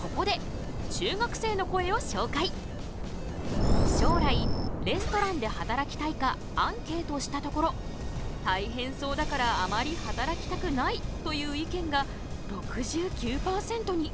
ここで将来レストランで働きたいかアンケートしたところたいへんそうだからあまり働きたくないという意見が６９％に。